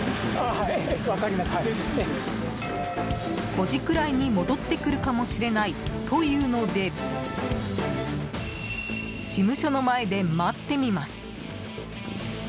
５時くらいに戻ってくるかもしれないと言うので事務所の前で待ってみます。